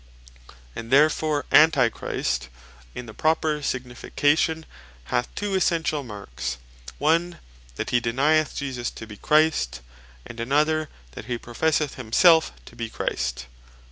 And therefore Antichrist in the proper signification hath two essentiall marks; One, that he denyeth Jesus to be Christ; and another that he professeth himselfe to bee Christ.